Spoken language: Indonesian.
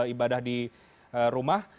ibadah di rumah